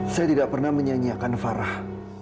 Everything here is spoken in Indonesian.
saya tidak pernah menyanyiakan farah